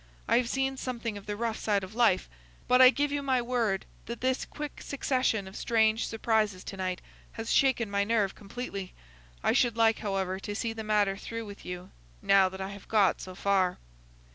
I have seen something of the rough side of life, but I give you my word that this quick succession of strange surprises to night has shaken my nerve completely. I should like, however, to see the matter through with you, now that I have got so far."